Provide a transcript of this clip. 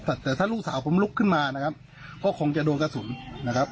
แต่ถ้าลูกสาวผมลุกขึ้นมานะครับก็คงจะโดนกระสุนนะครับ